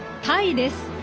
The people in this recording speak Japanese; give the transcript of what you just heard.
タイです。